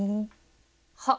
はっ！